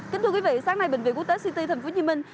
kính thưa quý vị sáng nay bệnh viện quốc tế ct thành phố hồ chí minh